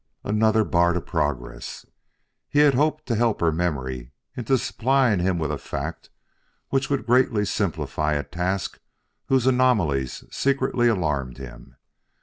Another bar to progress! He had hoped to help her memory into supplying him with a fact which would greatly simplify a task whose anomalies secretly alarmed him.